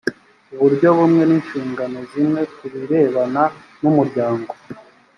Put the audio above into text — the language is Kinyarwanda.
uburyo bumwe n’ ishingano zimwe ku birebana n’ umuryango